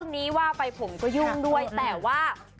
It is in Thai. นี้ว่าไปผมก็ยุ่งด้วยแต่ว่า